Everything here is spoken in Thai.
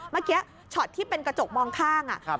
เมื่อกี้ช็อตที่เป็นกระจกมองข้าง